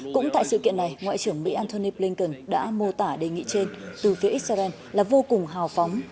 cũng tại sự kiện này ngoại trưởng mỹ antony blinken đã mô tả đề nghị trên từ phía israel là vô cùng hào phóng